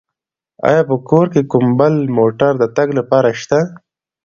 آیا په کور کې کوم بل موټر د تګ لپاره شته؟